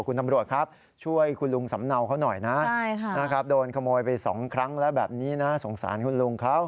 คุณตำรวจครับช่วยคุณลุงสำเนาเขาหน่อยนะโดนขโมยไป๒ครั้งแล้วแบบนี้นะสงสารคุณลุงเขา